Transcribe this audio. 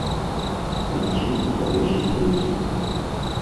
На цвік павесіць буцы.